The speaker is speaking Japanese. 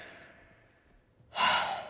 はあ。